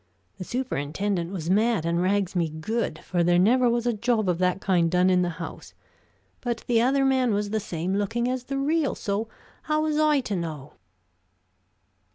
The superintendent was mad and rags me good, for there never was a job of that kind done in the house. But the other man was the same looking as the real, so how was I to know?"